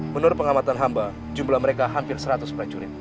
menurut pengamatan hamba jumlah mereka hampir seratus prajurit